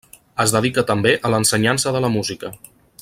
Es dedica també a l'ensenyança de la música.